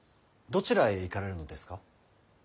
とちらへ行かれるのですか？